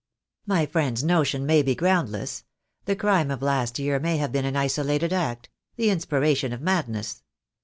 "My friend's notion may be groundless. The crime of last year may have been an isolated act — the inspira tion of madness.